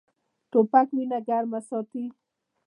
توپک وینه ګرمه ساتي.